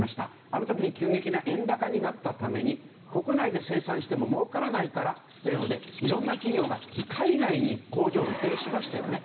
あの時に急激な円高になったために国内で生産してももうからないからというのでいろんな企業が海外に工場を移転しましたよね。